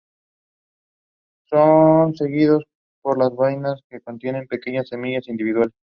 Son seguidos por las vainas que contienen pequeñas semillas individuales.